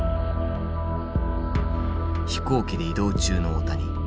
飛行機で移動中の大谷。